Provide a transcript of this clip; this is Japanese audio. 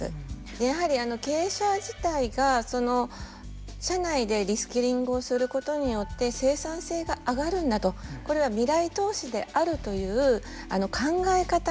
やはり経営者自体が、社内でリスキリングをすることによって生産性が上がるんだとこれは未来投資であるという考え方の変革。